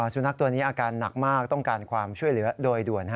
สุนัขตัวนี้อาการหนักมากต้องการความช่วยเหลือโดยด่วน